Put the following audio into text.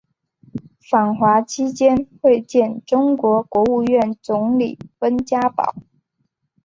访华期间会见中国国务院总理温家宝。